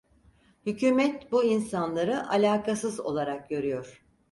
Hükümet bu insanları alâkasız olarak görüyor.